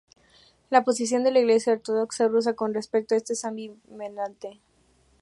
La posición de la Iglesia ortodoxa rusa con respecto a esto es ambivalente.